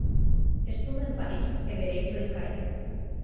Estuda en París e dereito en Caen.